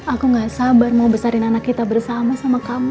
aku gak sabar mau besarin anak kita bersama sama kamu